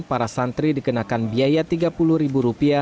para santri dikenakan biaya rp tiga puluh